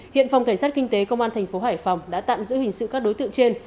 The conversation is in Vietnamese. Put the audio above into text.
hiện phòng cảnh sát kinh tế công an thành phố hải phòng đã tạm giữ hình sự các đối tượng trên